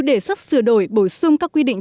đề xuất sửa đổi bổ sung các quy định